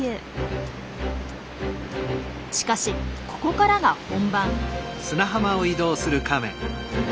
しかしここからが本番。